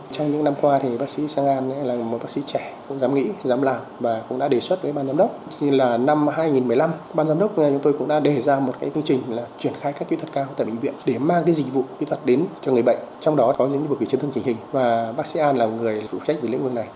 trong những năm qua thì bác sĩ sang an là một bác sĩ trẻ cũng dám nghĩ dám làm và cũng đã đề xuất với ban giám đốc là năm hai nghìn một mươi năm ban giám đốc chúng tôi cũng đã đề ra một cái chương trình là triển khai các kỹ thuật cao tại bệnh viện để mang dịch vụ kỹ thuật đến cho người bệnh trong đó có lĩnh vực về chấn thương chỉnh hình và bác sĩ an là người phụ trách về lĩnh vực này